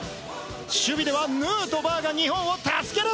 ・守備ではヌートバーが日本を助ける！